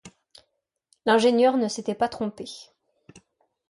L’ingénieur ne s’était pas trompé.